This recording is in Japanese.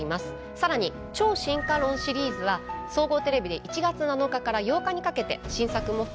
更に「超・進化論」シリーズは総合テレビで１月７日から８日にかけて新作も含め一挙４本を放送します。